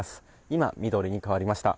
今、緑に変わりました。